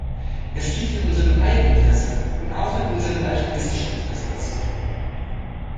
Es liegt in unserem Eigeninteresse und auch in unserem altruistischen Interesse, das zu tun.